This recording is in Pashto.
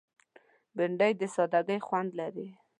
بېنډۍ د سادګۍ خوند لري